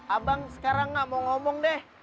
abang sekarang nggak mau ngomong deh